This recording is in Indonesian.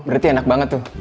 berarti enak banget tuh